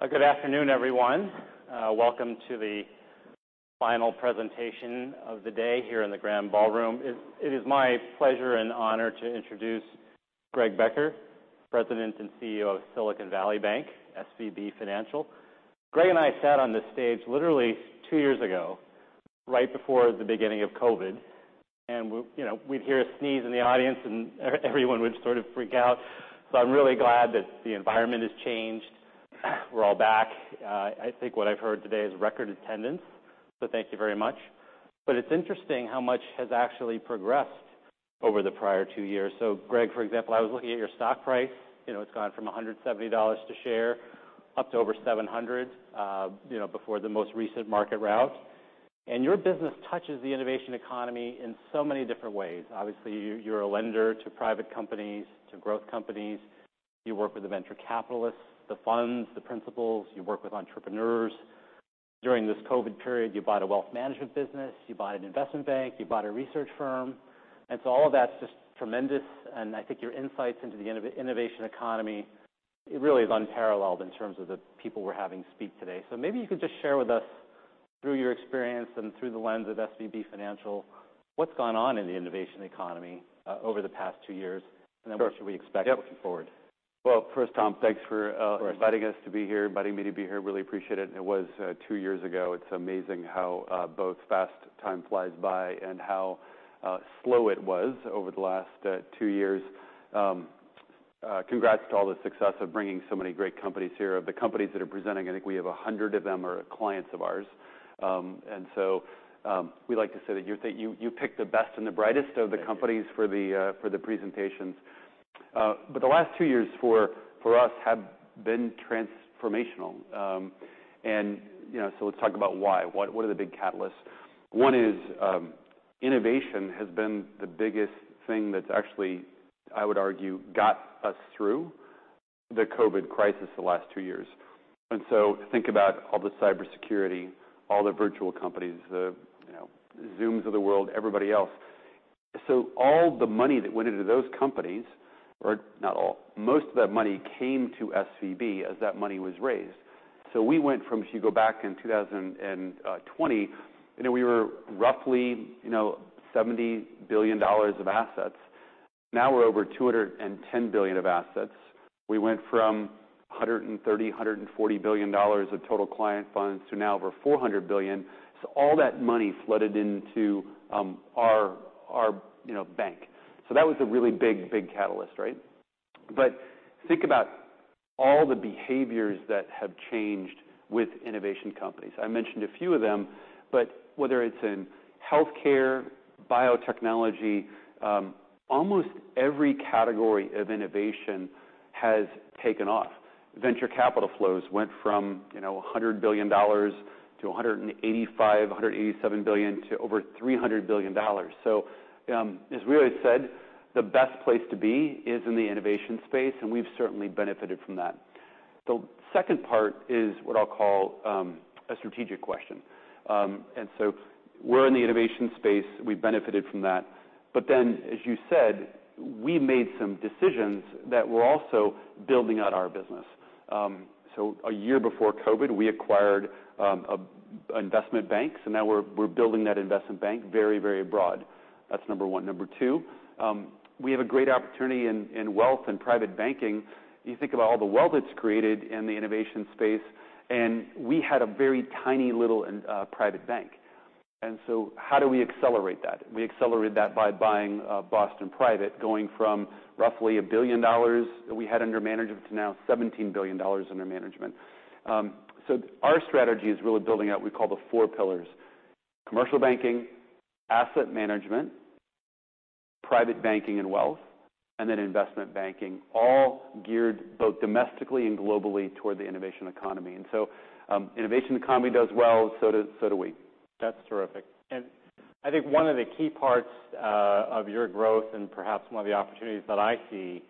Good afternoon, everyone. Welcome to the final presentation of the day here in the Grand Ballroom. It is my pleasure and honor to introduce Greg Becker, President and CEO of Silicon Valley Bank, SVB Financial. Greg and I sat on this stage literally two years ago, right before the beginning of COVID, and we'd hear a sneeze in the audience, and everyone would sort of freak out. So I'm really glad that the environment has changed. We're all back. I think what I've heard today is record attendance, so thank you very much. But it's interesting how much has actually progressed over the prior two years. So Greg, for example, I was looking at your stock price. It's gone from $170 a share up to over $700 before the most recent market rout. And your business touches the innovation economy in so many different ways. Obviously, you're a lender to private companies, to growth companies. You work with the venture capitalists, the funds, the principals. You work with entrepreneurs. During this COVID period, you bought a wealth management business. You bought an investment bank. You bought a research firm. And so all of that's just tremendous. And I think your insights into the innovation economy, it really is unparalleled in terms of the people we're having speak today. So maybe you could just share with us, through your experience and through the lens of SVB Financial, what's gone on in the innovation economy over the past two years, and then what should we expect looking forward? First, Tom, thanks for inviting us to be here, inviting me to be here. Really appreciate it. It was two years ago. It's amazing how fast time flies by and how slow it was over the last two years. Congrats to all the success of bringing so many great companies here. Of the companies that are presenting, I think we have 100 of them are clients of ours. So we like to say that you pick the best and the brightest of the companies for the presentations. The last two years for us have been transformational. So let's talk about why. What are the big catalysts? One is innovation has been the biggest thing that's actually, I would argue, got us through the COVID crisis the last two years. And so think about all the cybersecurity, all the virtual companies, the Zooms of the world, everybody else. So all the money that went into those companies, or not all, most of that money came to SVB as that money was raised. So we went from, if you go back in 2020, we were roughly $70 billion of assets. Now we're over $210 billion of assets. We went from $130-$140 billion of total client funds to now over $400 billion. So all that money flooded into our bank. So that was a really big catalyst, right? But think about all the behaviors that have changed with innovation companies. I mentioned a few of them, but whether it's in healthcare, biotechnology, almost every category of innovation has taken off. Venture capital flows went from $100 billion to $185-$187 billion to over $300 billion. So as we always said, the best place to be is in the innovation space, and we've certainly benefited from that. The second part is what I'll call a strategic question. And so we're in the innovation space. We've benefited from that. But then, as you said, we made some decisions that were also building out our business. So a year before COVID, we acquired investment banks, and now we're building that investment bank very, very broad. That's number one. Number two, we have a great opportunity in wealth and private banking. You think about all the wealth it's created in the innovation space, and we had a very tiny little private bank. And so how do we accelerate that? We accelerated that by buying Boston Private, going from roughly $1 billion that we had under management to now $17 billion under management. So our strategy is really building out what we call the four pillars: commercial banking, asset management, private banking and wealth, and then investment banking, all geared both domestically and globally toward the innovation economy. And so innovation economy does well, so do we. That's terrific. And I think one of the key parts of your growth and perhaps one of the opportunities that I see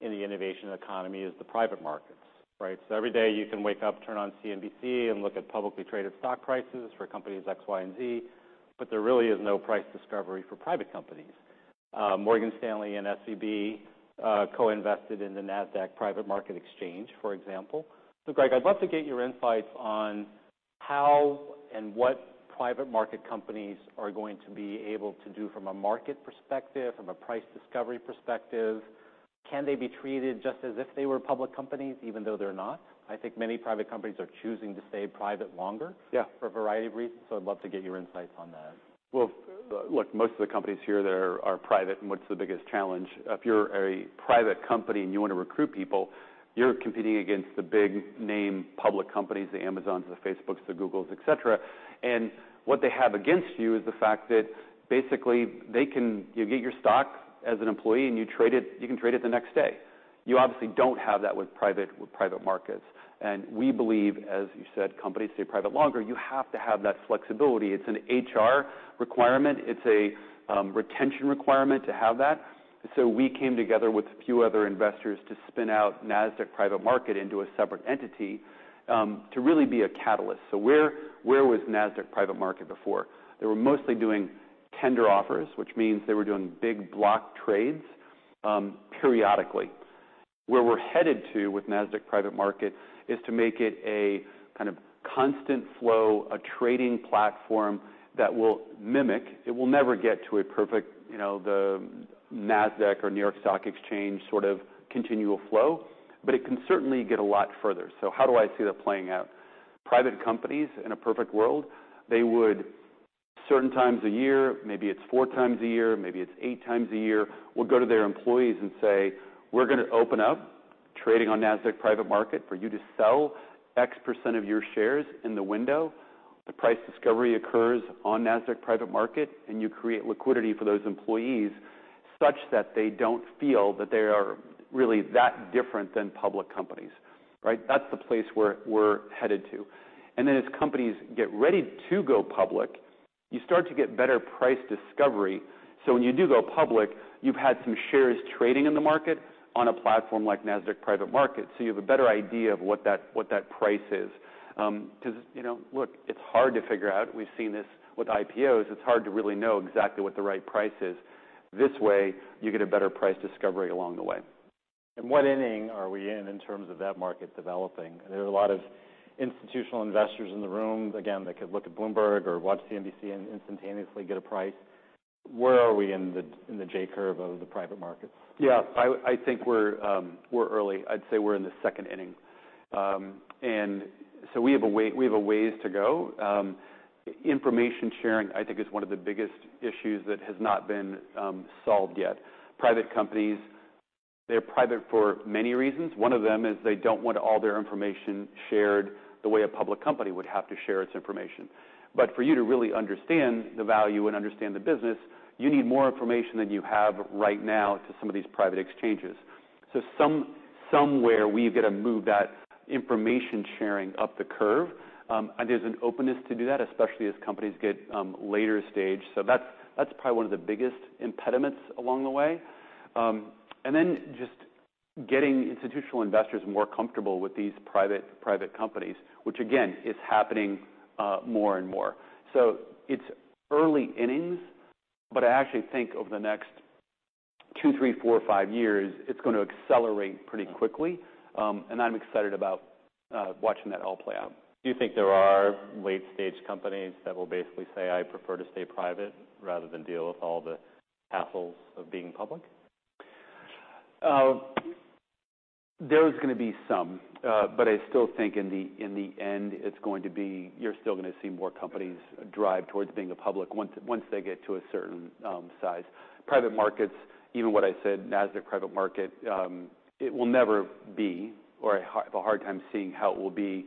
in the innovation economy is the private markets, right? So every day you can wake up, turn on CNBC, and look at publicly traded stock prices for companies X, Y, and Z, but there really is no price discovery for private companies. Morgan Stanley and SVB co-invested in the Nasdaq Private Market, for example. So Greg, I'd love to get your insights on how and what private market companies are going to be able to do from a market perspective, from a price discovery perspective. Can they be treated just as if they were public companies, even though they're not? I think many private companies are choosing to stay private longer for a variety of reasons. So I'd love to get your insights on that. Well, look, most of the companies here are private, and what's the biggest challenge? If you're a private company and you want to recruit people, you're competing against the big name public companies, the Amazons, the Facebooks, the Googles, etc. And what they have against you is the fact that basically they can get your stock as an employee, and you can trade it the next day. You obviously don't have that with private markets. And we believe, as you said, companies stay private longer. You have to have that flexibility. It's an HR requirement. It's a retention requirement to have that. So we came together with a few other investors to spin out Nasdaq Private Market into a separate entity to really be a catalyst. So where was Nasdaq Private Market before? They were mostly doing tender offers, which means they were doing big block trades periodically. Where we're headed to with Nasdaq Private Market is to make it a kind of constant flow, a trading platform that will mimic. It will never get to a perfect Nasdaq or New York Stock Exchange sort of continual flow, but it can certainly get a lot further. So how do I see that playing out? Private companies in a perfect world, they would certain times a year, maybe it's four times a year, maybe it's eight times a year, will go to their employees and say, "We're going to open up trading on Nasdaq Private Market for you to sell X% of your shares in the window. The price discovery occurs on Nasdaq Private Market, and you create liquidity for those employees such that they don't feel that they are really that different than public companies." Right? That's the place we're headed to. And then as companies get ready to go public, you start to get better price discovery. So when you do go public, you've had some shares trading in the market on a platform like Nasdaq Private Market. So you have a better idea of what that price is. Because look, it's hard to figure out. We've seen this with IPOs. It's hard to really know exactly what the right price is. This way, you get a better price discovery along the way. What inning are we in in terms of that market developing? There are a lot of institutional investors in the room, again, that could look at Bloomberg or watch CNBC and instantaneously get a price. Where are we in the J-Curve of the private markets? Yeah, I think we're early. I'd say we're in the second inning, and so we have a ways to go. Information sharing, I think, is one of the biggest issues that has not been solved yet. Private companies, they're private for many reasons. One of them is they don't want all their information shared the way a public company would have to share its information, but for you to really understand the value and understand the business, you need more information than you have right now to some of these private exchanges, so somewhere we've got to move that information sharing up the curve, and there's an openness to do that, especially as companies get later stage, so that's probably one of the biggest impediments along the way, and then just getting institutional investors more comfortable with these private companies, which again, is happening more and more. So it's early innings, but I actually think over the next two, three, four, five years, it's going to accelerate pretty quickly. And I'm excited about watching that all play out. Do you think there are late-stage companies that will basically say, "I prefer to stay private rather than deal with all the hassles of being public"? There's going to be some, but I still think in the end, it's going to be you're still going to see more companies drive towards being a public once they get to a certain size. Private markets, even what I said, Nasdaq Private Market, it will never be, or I have a hard time seeing how it will be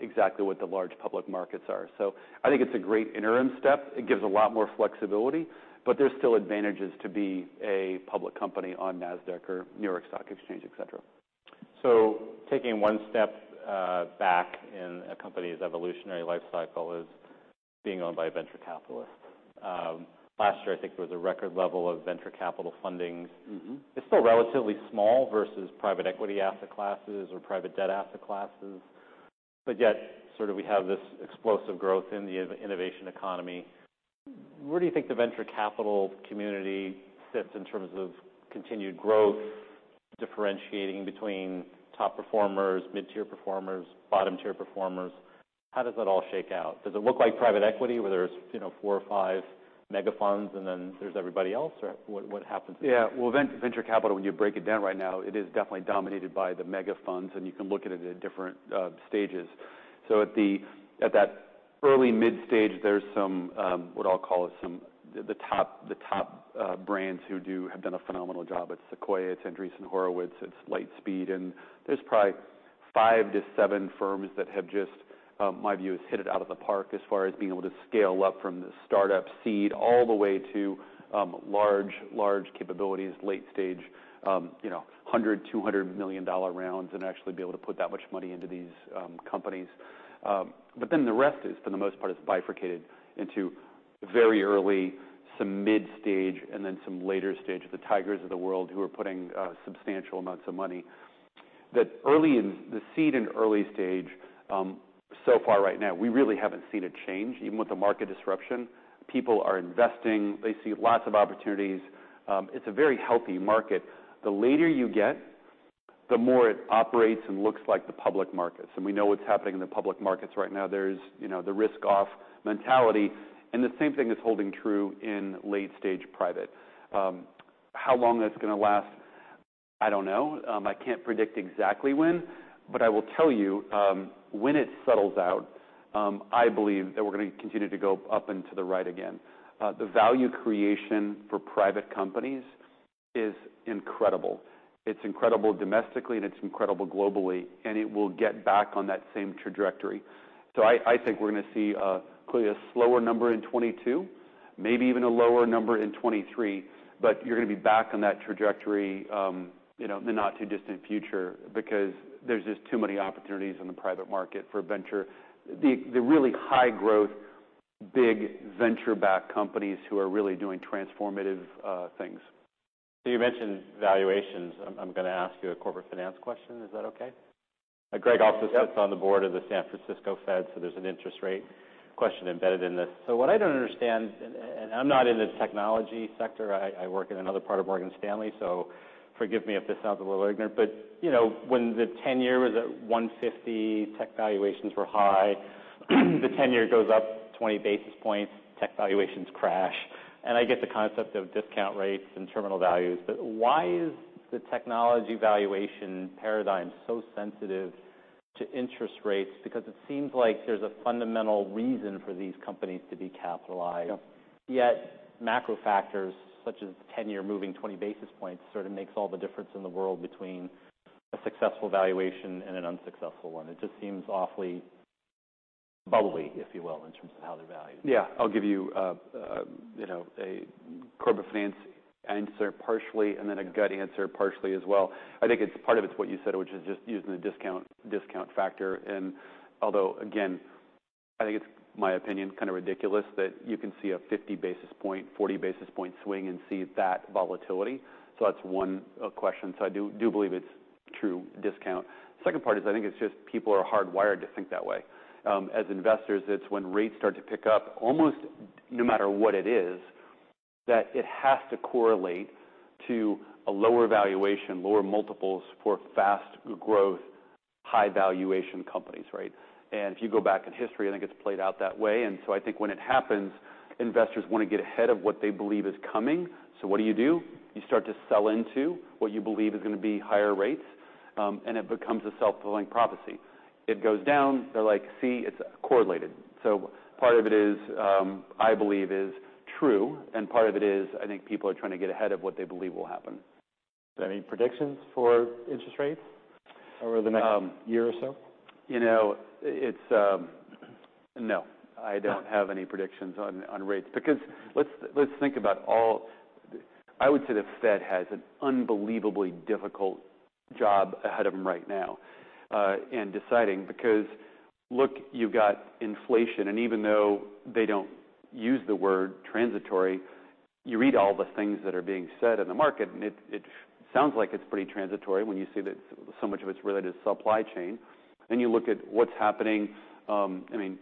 exactly what the large public markets are. So I think it's a great interim step. It gives a lot more flexibility, but there's still advantages to be a public company on Nasdaq or New York Stock Exchange, etc. So taking one step back in a company's evolutionary life cycle is being owned by a venture capitalist. Last year, I think there was a record level of venture capital funding. It's still relatively small versus private equity asset classes or private debt asset classes. But yet sort of we have this explosive growth in the innovation economy. Where do you think the venture capital community sits in terms of continued growth, differentiating between top performers, mid-tier performers, bottom-tier performers? How does that all shake out? Does it look like private equity where there's four or five mega funds and then there's everybody else? Or what happens? Yeah. Well, venture capital, when you break it down right now, it is definitely dominated by the mega funds, and you can look at it at different stages. So at that early mid-stage, there's some, what I'll call it, some of the top brands who have done a phenomenal job. It's Sequoia. It's Andreessen Horowitz. It's Lightspeed. And there's probably five to seven firms that have just, my view, has hit it out of the park as far as being able to scale up from the startup seed all the way to large, large capabilities, late-stage, $100-$200 million rounds and actually be able to put that much money into these companies. But then the rest is, for the most part, it's bifurcated into very early, some mid-stage, and then some later stage of the Tigers of the world who are putting substantial amounts of money. That early in the seed and early stage, so far right now, we really haven't seen a change. Even with the market disruption, people are investing. They see lots of opportunities. It's a very healthy market. The later you get, the more it operates and looks like the public markets. And we know what's happening in the public markets right now. There's the risk-off mentality. And the same thing is holding true in late-stage private. How long that's going to last? I don't know. I can't predict exactly when. But I will tell you, when it settles out, I believe that we're going to continue to go up and to the right again. The value creation for private companies is incredible. It's incredible domestically, and it's incredible globally, and it will get back on that same trajectory. So I think we're going to see clearly a slower number in 2022, maybe even a lower number in 2023, but you're going to be back on that trajectory in the not-too-distant future because there's just too many opportunities in the private market for venture. The really high-growth, big venture-backed companies who are really doing transformative things. So you mentioned valuations. I'm going to ask you a corporate finance question. Is that okay? Greg also sits on the board of the San Francisco Fed, so there's an interest rate question embedded in this. So what I don't understand, and I'm not in the technology sector. I work in another part of Morgan Stanley, so forgive me if this sounds a little ignorant. But when the 10-year was at 150, tech valuations were high. The 10-year goes up 20 basis points, tech valuations crash. And I get the concept of discount rates and terminal values. But why is the technology valuation paradigm so sensitive to interest rates? Because it seems like there's a fundamental reason for these companies to be capitalized. Yet macro factors such as 10-year moving 20 basis points sort of makes all the difference in the world between a successful valuation and an unsuccessful one. It just seems awfully bubbly, if you will, in terms of how they're valued. Yeah. I'll give you a corporate finance answer partially and then a gut answer partially as well. I think part of it's what you said, which is just using the discount factor. And although, again, I think it's, in my opinion, kind of ridiculous that you can see a 50 basis point, 40 basis point swing and see that volatility. So that's one question. So I do believe it's true discount. The second part is I think it's just people are hardwired to think that way. As investors, it's when rates start to pick up, almost no matter what it is, that it has to correlate to a lower valuation, lower multiples for fast-growth, high-valuation companies, right? And if you go back in history, I think it's played out that way. And so I think when it happens, investors want to get ahead of what they believe is coming. So what do you do? You start to sell into what you believe is going to be higher rates, and it becomes a self-fulfilling prophecy. It goes down. They're like, "See, it's correlated." So part of it is, I believe, is true, and part of it is I think people are trying to get ahead of what they believe will happen. Any predictions for interest rates over the next year or so? You know, it's no. I don't have any predictions on rates. Because let's think about all. I would say the Fed has an unbelievably difficult job ahead of them right now in deciding, because look, you've got inflation. Even though they don't use the word transitory, you read all the things that are being said in the market, and it sounds like it's pretty transitory when you see that so much of it's related to supply chain. Then you look at what's happening. I mean,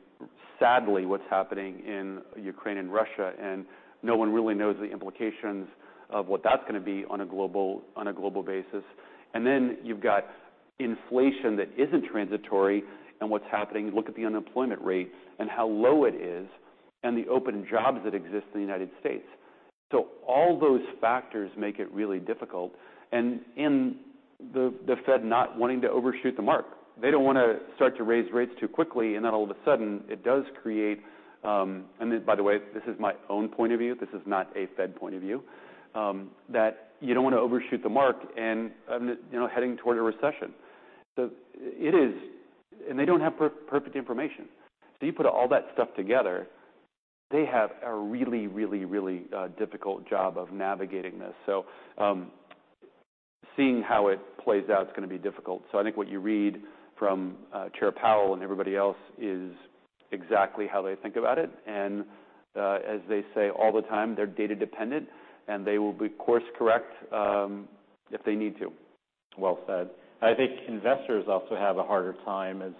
sadly, what's happening in Ukraine and Russia, and no one really knows the implications of what that's going to be on a global basis. You've got inflation that isn't transitory and what's happening. Look at the unemployment rate and how low it is and the open jobs that exist in the United States. All those factors make it really difficult. The Fed not wanting to overshoot the mark. They don't want to start to raise rates too quickly, and then all of a sudden it does create. And by the way, this is my own point of view. This is not a Fed point of view that you don't want to overshoot the mark and heading toward a recession. It is, and they don't have perfect information. You put all that stuff together. They have a really, really, really difficult job of navigating this. Seeing how it plays out is going to be difficult. I think what you read from Chair Powell and everybody else is exactly how they think about it. As they say all the time, they're data dependent, and they will be course-correct if they need to. Well said. I think investors also have a harder time, as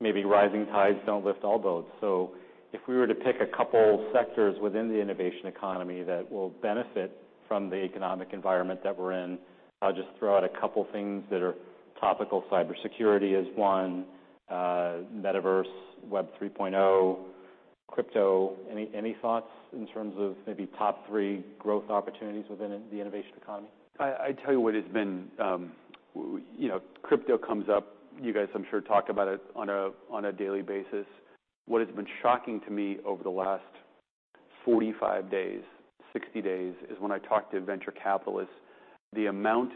maybe rising tides don't lift all boats, so if we were to pick a couple sectors within the innovation economy that will benefit from the economic environment that we're in, I'll just throw out a couple things that are topical. Cybersecurity is one, metaverse, Web 3.0, crypto. Any thoughts in terms of maybe top three growth opportunities within the innovation economy? I tell you what has been, crypto comes up. You guys, I'm sure, talk about it on a daily basis. What has been shocking to me over the last 45 days, 60 days is when I talked to venture capitalists, the amount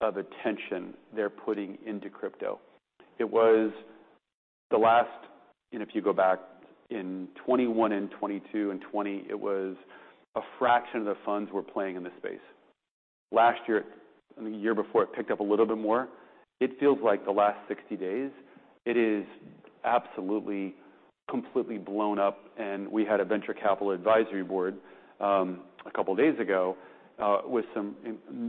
of attention they're putting into crypto. It was the last, and if you go back in 2021 and 2022 and 2020, it was a fraction of the funds were playing in the space. Last year, the year before, it picked up a little bit more. It feels like the last 60 days, it is absolutely, completely blown up. And we had a venture capital advisory board a couple of days ago with some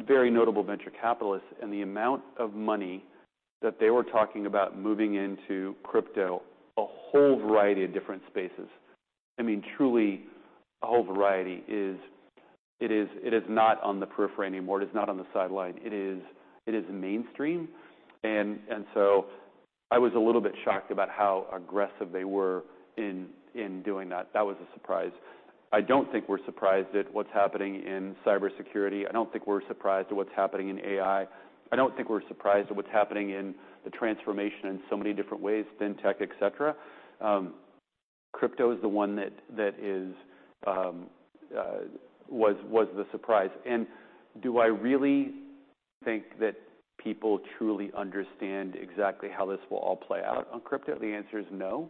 very notable venture capitalists, and the amount of money that they were talking about moving into crypto, a whole variety of different spaces. I mean, truly, a whole variety is, it is not on the periphery anymore. It is not on the sideline. It is mainstream. And so I was a little bit shocked about how aggressive they were in doing that. That was a surprise. I don't think we're surprised at what's happening in cybersecurity. I don't think we're surprised at what's happening in AI. I don't think we're surprised at what's happening in the transformation in so many different ways, fintech, etc. Crypto is the one that was the surprise. And do I really think that people truly understand exactly how this will all play out on crypto? The answer is no.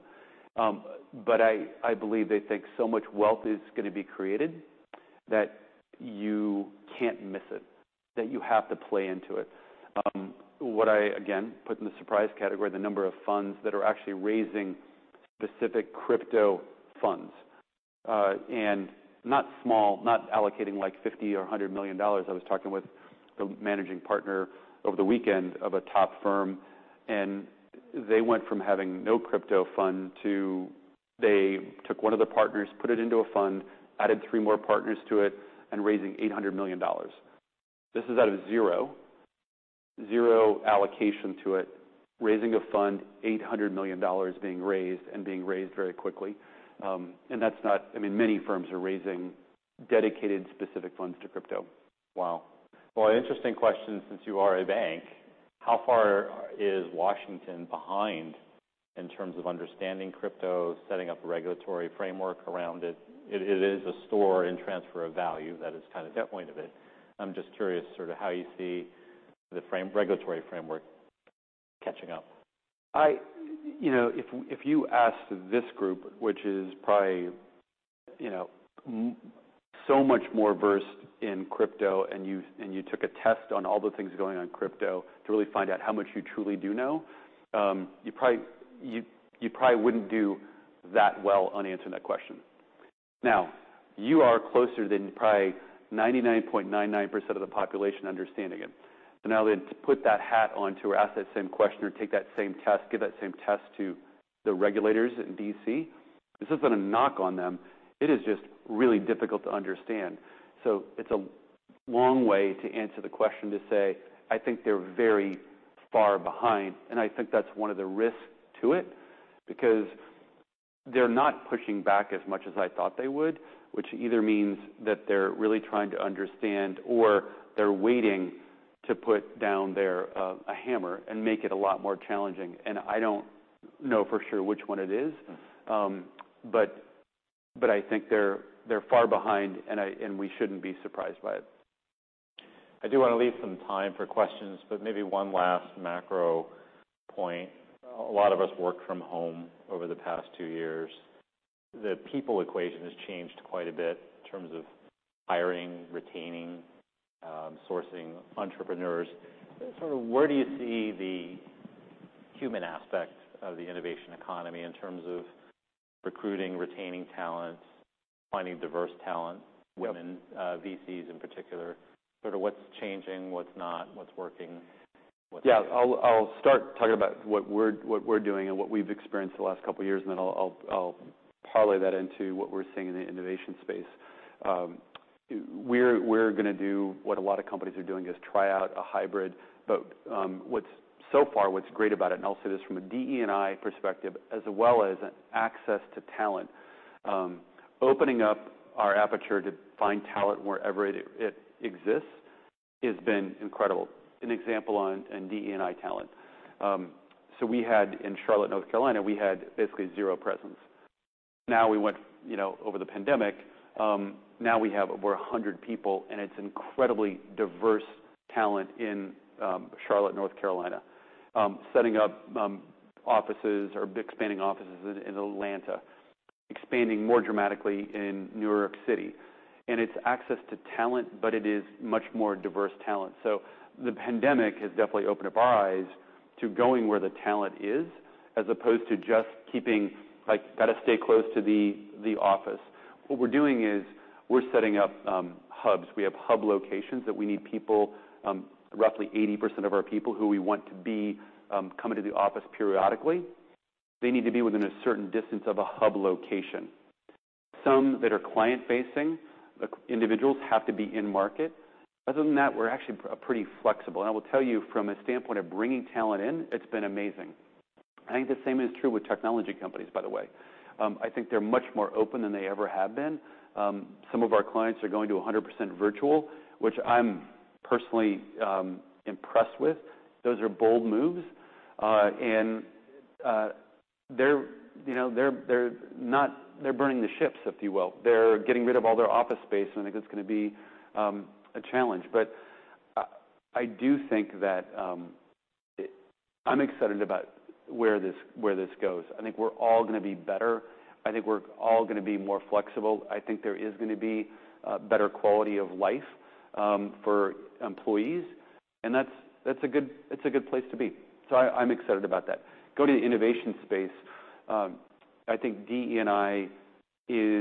But I believe they think so much wealth is going to be created that you can't miss it, that you have to play into it. What I, again, put in the surprise category, the number of funds that are actually raising specific crypto funds. And not small, not allocating like $50 million or $100 million. I was talking with the managing partner over the weekend of a top firm, and they went from having no crypto fund to they took one of the partners, put it into a fund, added three more partners to it, and raising $800 million. This is out of zero, zero allocation to it, raising a fund, $800 million being raised and being raised very quickly. And that's not. I mean, many firms are raising dedicated specific funds to crypto. Wow. Well, an interesting question since you are a bank. How far is Washington behind in terms of understanding crypto, setting up a regulatory framework around it? It is a store and transfer of value. That is kind of the point of it. I'm just curious sort of how you see the regulatory framework catching up. If you asked this group, which is probably so much more versed in crypto, and you took a test on all the things going on crypto to really find out how much you truly do know, you probably wouldn't do that well on answering that question. Now, you are closer than probably 99.99% of the population understanding it. So now they put that hat onto or ask that same question or take that same test. Give that same test to the regulators in DC. This isn't a knock on them. It is just really difficult to understand. So it's a long way to answer the question to say, "I think they're very far behind." And I think that's one of the risks to it because they're not pushing back as much as I thought they would, which either means that they're really trying to understand or they're waiting to put down a hammer and make it a lot more challenging. And I don't know for sure which one it is, but I think they're far behind, and we shouldn't be surprised by it. I do want to leave some time for questions, but maybe one last macro point. A lot of us worked from home over the past two years. The people equation has changed quite a bit in terms of hiring, retaining, sourcing entrepreneurs. Sort of where do you see the human aspect of the innovation economy in terms of recruiting, retaining talent, finding diverse talent, women, VCs in particular? Sort of what's changing, what's not, what's working, what's not? Yeah. I'll start talking about what we're doing and what we've experienced the last couple of years, and then I'll parlay that into what we're seeing in the innovation space. We're going to do what a lot of companies are doing is try out a hybrid. But so far, what's great about it, and I'll say this from a DE&I perspective as well as access to talent, opening up our aperture to find talent wherever it exists has been incredible. An example on DE&I talent. So in Charlotte, North Carolina, we had basically zero presence. Now we went over the pandemic. Now we have over 100 people, and it's incredibly diverse talent in Charlotte, North Carolina, setting up offices or expanding offices in Atlanta, expanding more dramatically in New York City. And it's access to talent, but it is much more diverse talent. So the pandemic has definitely opened up our eyes to going where the talent is as opposed to just keeping, like, "Gotta stay close to the office." What we're doing is we're setting up hubs. We have hub locations that we need people, roughly 80% of our people who we want to be coming to the office periodically. They need to be within a certain distance of a hub location. Some that are client-facing individuals have to be in-market. Other than that, we're actually pretty flexible. And I will tell you from a standpoint of bringing talent in, it's been amazing. I think the same is true with technology companies, by the way. I think they're much more open than they ever have been. Some of our clients are going to 100% virtual, which I'm personally impressed with. Those are bold moves. And they're burning the ships, if you will. They're getting rid of all their office space, and I think it's going to be a challenge, but I do think that I'm excited about where this goes. I think we're all going to be better. I think we're all going to be more flexible. I think there is going to be better quality of life for employees, and that's a good place to be, so I'm excited about that. Going to the innovation space, I think DE&I, two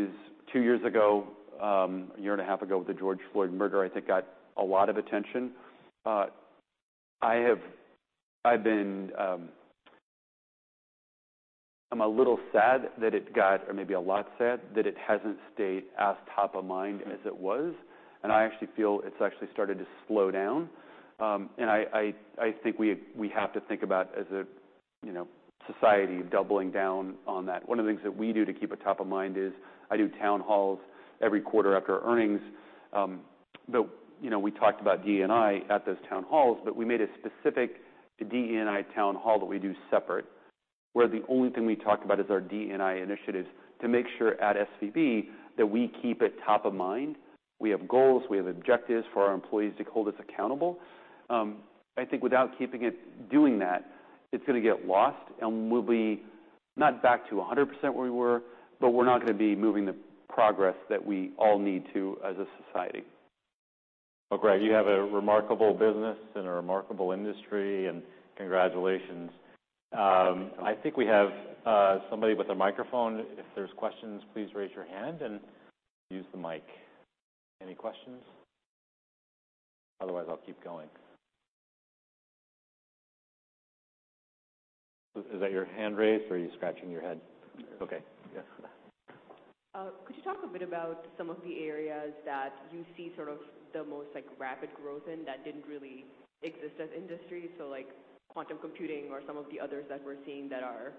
years ago, a year and a half ago with the George Floyd murder, I think, got a lot of attention. I'm a little sad that it got, or maybe a lot sad, that it hasn't stayed as top of mind as it was, and I actually feel it's actually started to slow down, and I think we have to think about as a society doubling down on that. One of the things that we do to keep it top of mind is I do town halls every quarter after earnings. But we talked about DE&I at those town halls, but we made a specific DE&I town hall that we do separate, where the only thing we talked about is our DE&I initiatives to make sure at SVB that we keep it top of mind. We have goals. We have objectives for our employees to hold us accountable. I think without keeping it doing that, it's going to get lost, and we'll be not back to 100% where we were, but we're not going to be moving the progress that we all need to as a society. Well, Greg, you have a remarkable business and a remarkable industry, and congratulations. I think we have somebody with a microphone. If there's questions, please raise your hand and use the mic. Any questions? Otherwise, I'll keep going. Is that your hand raised, or are you scratching your head? Okay. Yes. Could you talk a bit about some of the areas that you see sort of the most rapid growth in that didn't really exist as industries? So like quantum computing or some of the others that we're seeing that are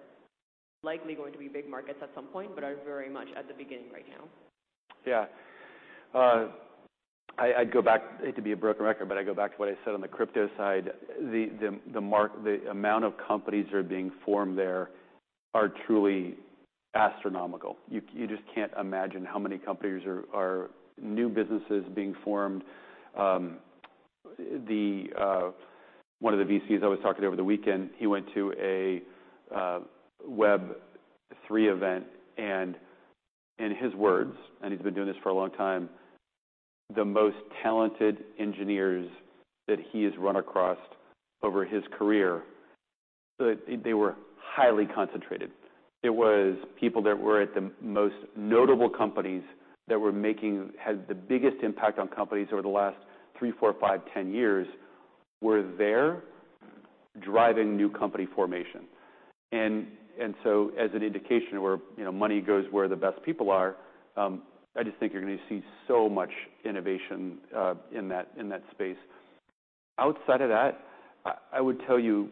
likely going to be big markets at some point but are very much at the beginning right now. Yeah. I'd go back to be a broken record, but I go back to what I said on the crypto side. The amount of companies that are being formed there are truly astronomical. You just can't imagine how many companies are new businesses being formed. One of the VCs I was talking to over the weekend, he went to a Web 3 event, and in his words, and he's been doing this for a long time, the most talented engineers that he has run across over his career, they were highly concentrated. It was people that were at the most notable companies that had the biggest impact on companies over the last three, four, five, 10 years were there driving new company formation. And so as an indication where money goes where the best people are, I just think you're going to see so much innovation in that space. Outside of that, I would tell you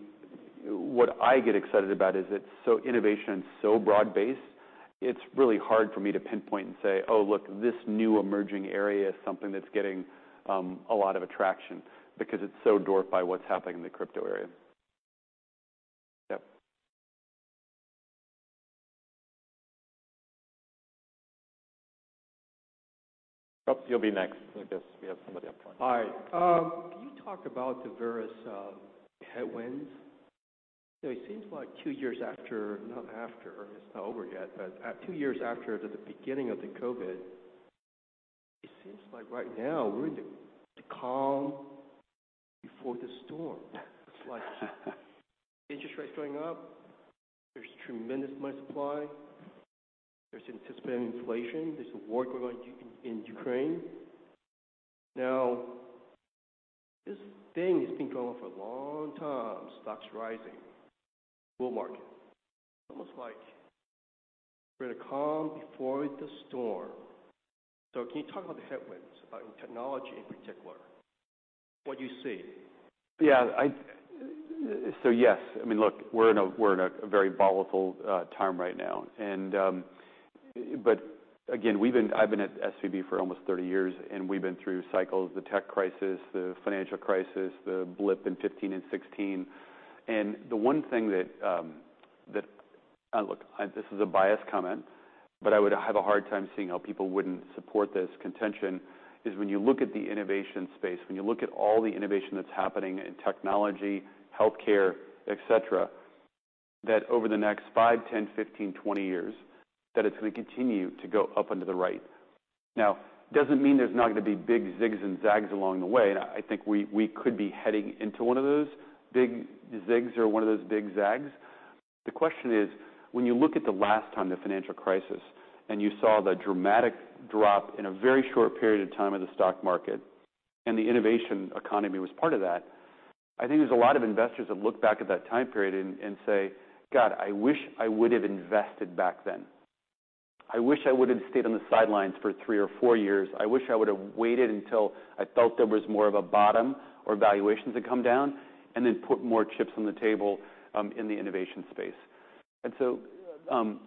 what I get excited about is that innovation is so broad-based, it's really hard for me to pinpoint and say, "Oh, look, this new emerging area is something that's getting a lot of attraction because it's so dwarfed by what's happening in the crypto area." Yep. Oh, you'll be next. I guess we have somebody up front. Hi. Can you talk about the various headwinds? It seems like two years after, not after. It's not over yet, but two years after the beginning of the COVID. It seems like right now we're in the calm before the storm. It's like interest rates going up. There's tremendous money supply. There's anticipated inflation. There's a war going on in Ukraine. Now, this thing has been going on for a long time. Stocks rising. Bull market. It's almost like we're in a calm before the storm. So can you talk about the headwinds in technology in particular? What do you see? Yeah, so yes. I mean, look, we're in a very volatile time right now. But again, I've been at SVB for almost 30 years, and we've been through cycles: the tech crisis, the financial crisis, the blip in 2015 and 2016. And the one thing that, look, this is a biased comment, but I would have a hard time seeing how people wouldn't support this contention, is when you look at the innovation space, when you look at all the innovation that's happening in technology, healthcare, etc., that over the next 5, 10, 15, 20 years, that it's going to continue to go up and to the right. Now, it doesn't mean there's not going to be big zigs and zags along the way. I think we could be heading into one of those big zigs or one of those big zags. The question is, when you look at the last time, the financial crisis, and you saw the dramatic drop in a very short period of time of the stock market, and the innovation economy was part of that. I think there's a lot of investors that look back at that time period and say, "God, I wish I would have invested back then. I wish I would have stayed on the sidelines for three or four years. I wish I would have waited until I felt there was more of a bottom or valuations had come down and then put more chips on the table in the innovation space." And so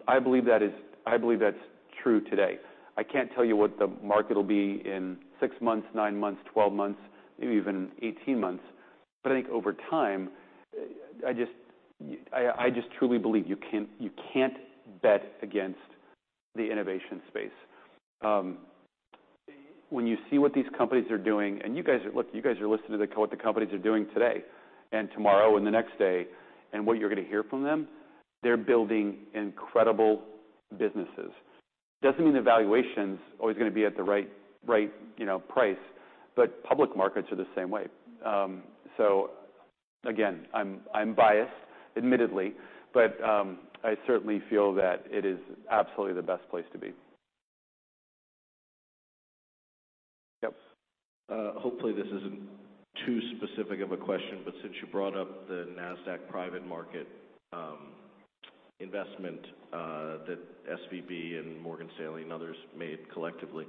I believe that's true today. I can't tell you what the market will be in six months, nine months, 12 months, maybe even 18 months. But I think over time, I just truly believe you can't bet against the innovation space. When you see what these companies are doing, and you guys are listening to what the companies are doing today and tomorrow and the next day and what you're going to hear from them, they're building incredible businesses. It doesn't mean the valuation's always going to be at the right price, but public markets are the same way. So again, I'm biased, admittedly, but I certainly feel that it is absolutely the best place to be. Yep. Hopefully, this isn't too specific of a question, but since you brought up the Nasdaq Private Market investment that SVB and Morgan Stanley and others made collectively,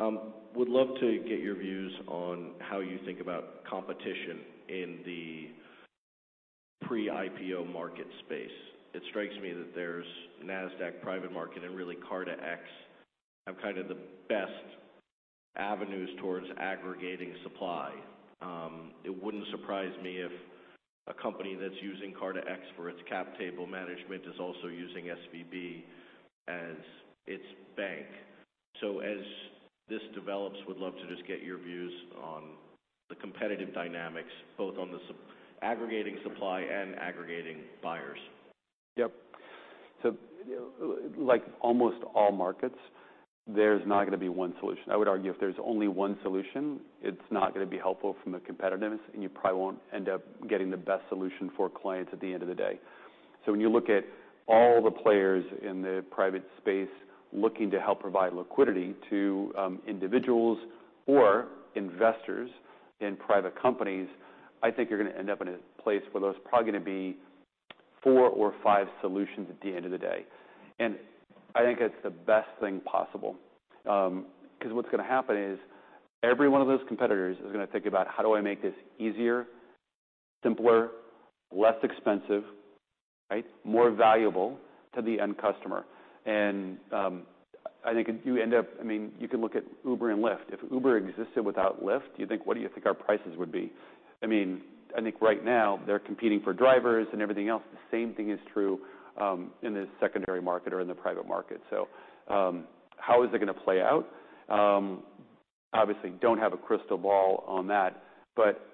I would love to get your views on how you think about competition in the pre-IPO market space. It strikes me that there's Nasdaq Private Market and really CartaX have kind of the best avenues towards aggregating supply. It wouldn't surprise me if a company that's using CartaX for its cap table management is also using SVB as its bank. So as this develops, would love to just get your views on the competitive dynamics, both on the aggregating supply and aggregating buyers. Yep. So like almost all markets, there's not going to be one solution. I would argue if there's only one solution, it's not going to be helpful from a competitiveness, and you probably won't end up getting the best solution for clients at the end of the day. So when you look at all the players in the private space looking to help provide liquidity to individuals or investors in private companies, I think you're going to end up in a place where there's probably going to be four or five solutions at the end of the day. And I think it's the best thing possible because what's going to happen is every one of those competitors is going to think about, "How do I make this easier, simpler, less expensive, right, more valuable to the end customer?" And I think you end up, I mean, you can look at Uber and Lyft. If Uber existed without Lyft, what do you think our prices would be? I mean, I think right now they're competing for drivers and everything else. The same thing is true in the secondary market or in the private market. So how is it going to play out? Obviously, don't have a crystal ball on that, but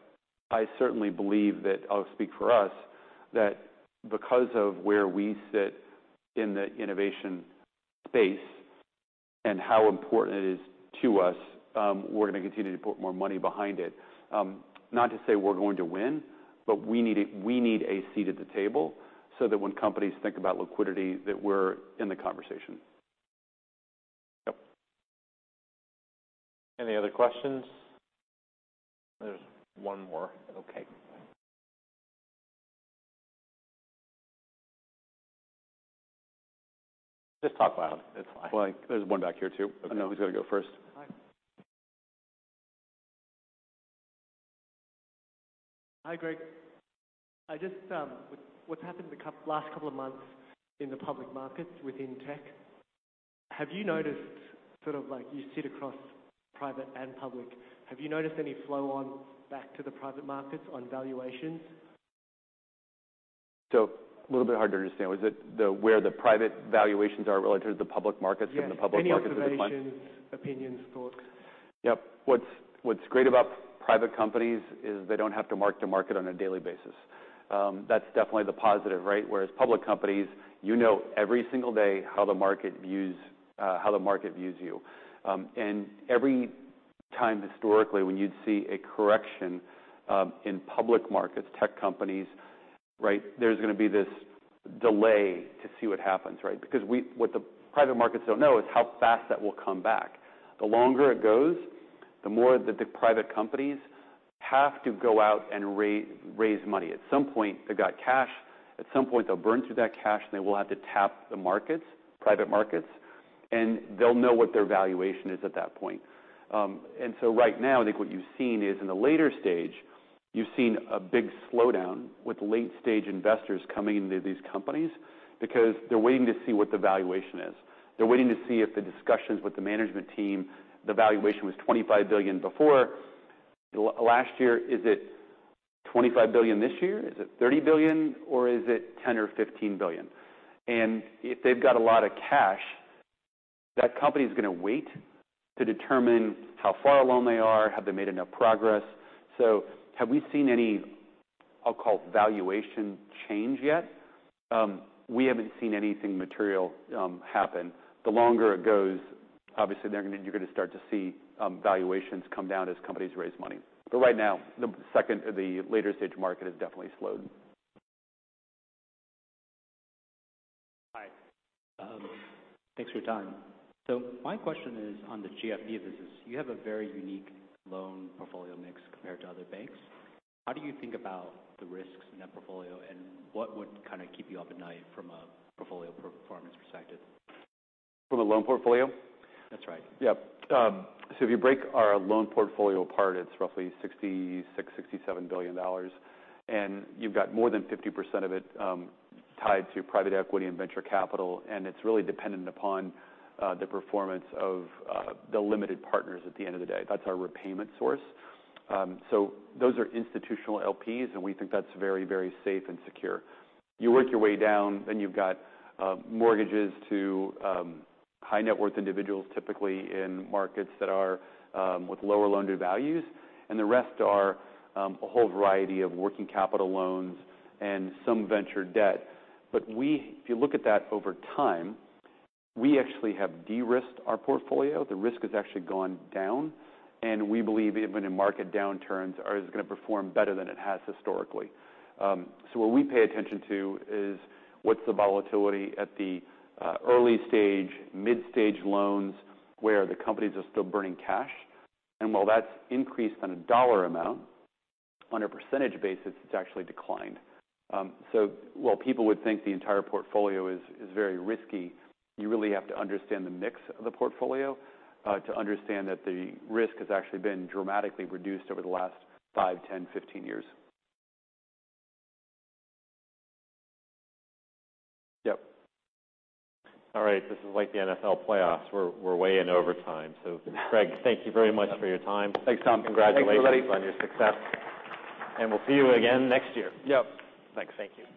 I certainly believe that, I'll speak for us, that because of where we sit in the innovation space and how important it is to us, we're going to continue to put more money behind it. Not to say we're going to win, but we need a seat at the table so that when companies think about liquidity, that we're in the conversation. Yep. Any other questions? There's one more. Okay. Just talk loud. It's fine. There's one back here too. I know who's going to go first. Hi. Hi, Greg. What's happened in the last couple of months in the public markets within tech? Have you noticed sort of like you sit across private and public? Have you noticed any flow on back to the private markets on valuations? A little bit hard to understand. Was it where the private valuations are relative to the public markets and the public markets in decline? Yeah. Valuations, opinions, thoughts. Yep. What's great about private companies is they don't have to mark to market on a daily basis. That's definitely the positive, right? Whereas public companies, you know every single day how the market views you. And every time historically when you'd see a correction in public markets, tech companies, right, there's going to be this delay to see what happens, right? Because what the private markets don't know is how fast that will come back. The longer it goes, the more that the private companies have to go out and raise money. At some point, they've got cash. At some point, they'll burn through that cash, and they will have to tap the markets, private markets, and they'll know what their valuation is at that point. And so right now, I think what you've seen is in the later stage, you've seen a big slowdown with late-stage investors coming into these companies because they're waiting to see what the valuation is. They're waiting to see if the discussions with the management team, the valuation was $25 billion before last year. Is it $25 billion this year? Is it $30 billion, or is it $10 billion or $15 billion? And if they've got a lot of cash, that company is going to wait to determine how far along they are, have they made enough progress. So have we seen any, I'll call it, valuation change yet? We haven't seen anything material happen. The longer it goes, obviously, you're going to start to see valuations come down as companies raise money. But right now, the later-stage market has definitely slowed. Hi. Thanks for your time. So my question is on the GFB business. You have a very unique loan portfolio mix compared to other banks. How do you think about the risks in that portfolio, and what would kind of keep you up at night from a portfolio performance perspective? From a loan portfolio? That's right. Yep. So if you break our loan portfolio apart, it's roughly $66-$67 billion. And you've got more than 50% of it tied to private equity and venture capital. And it's really dependent upon the performance of the limited partners at the end of the day. That's our repayment source. So those are institutional LPs, and we think that's very, very safe and secure. You work your way down, then you've got mortgages to high-net-worth individuals, typically in markets that are with lower loan-to-values. And the rest are a whole variety of working capital loans and some venture debt. But if you look at that over time, we actually have de-risked our portfolio. The risk has actually gone down, and we believe even in market downturns, it's going to perform better than it has historically. So what we pay attention to is what's the volatility at the early-stage, mid-stage loans where the companies are still burning cash. And while that's increased on a dollar amount, on a percentage basis, it's actually declined. So while people would think the entire portfolio is very risky, you really have to understand the mix of the portfolio to understand that the risk has actually been dramatically reduced over the last five, 10, 15 years. Yep. All right. This is like the NFL playoffs. We're way in overtime. So Greg, thank you very much for your time. Thanks, Tom. Congratulations on your success. We'll see you again next year. Yep. Thanks. Thank you.